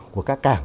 của các cảng